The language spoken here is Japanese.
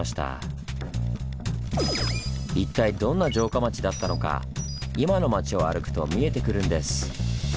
一体どんな城下町だったのか今の町を歩くと見えてくるんです。